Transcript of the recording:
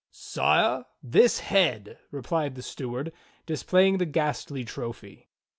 "Sire, this head," replied the steward, displaying the ghastly trophy.